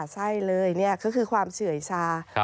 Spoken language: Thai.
ใช่เลยนี่ก็คือความเฉื่อยชา